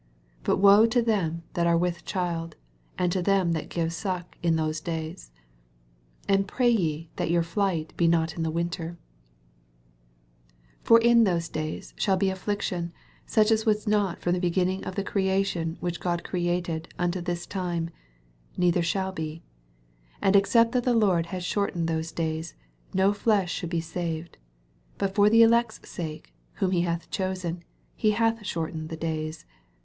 17 But woe to them that are with child, and to them that give suck in 19 For in those days shall be afflic tion, such as was not from the begin ning of the creation which God crea ted unto this time, neither shall be, 20 And except that the Lord had shortened those days, no flesh should be saved : but for the elect's sake, whom he hath chosen, he hath short ened the days.